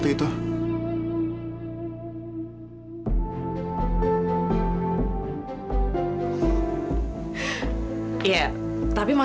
obi nomor ianya